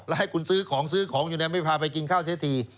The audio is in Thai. แล้วให้คุณซื้อของซื้อของอยู่ในไม่พาไปกินข้าวเสียที